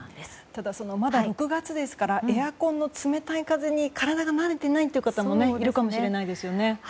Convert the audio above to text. ただ、まだ６月ですからエアコンの冷たい風に体が慣れてないという方もいるかもしれないですよね。